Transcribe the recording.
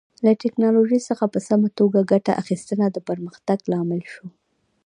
له ټکنالوژۍ څخه په سمه توګه ګټه اخیستنه د پرمختګ لامل شو.